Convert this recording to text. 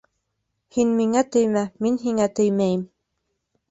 Һин миңә теймә, мин һиңә теймәйем.